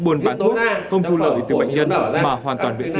buôn bán thuốc không thu lợi từ bệnh nhân mà hoàn toàn bệnh khí